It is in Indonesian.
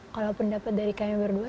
kalau pendapat dari kami berdua